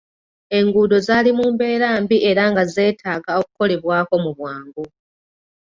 Enguudo zaali mu mbeera mbi era nga zeetaaga okukolebwako mu bwangu.